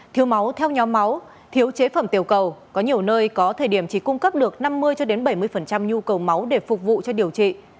thiếu máu theo nhóm máu thiếu chế phẩm tiểu cầu có nhiều nơi có thời điểm chỉ cung cấp được năm mươi bảy mươi nhu cầu máu để phục vụ cho điều trị